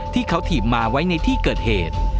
ที่เขาถีบมาไว้ในที่เกิดเหตุ